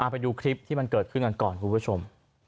ไปดูคลิปที่มันเกิดขึ้นกันก่อนคุณผู้ชม